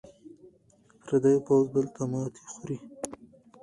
پردی پوځ دلته ماتې خوري.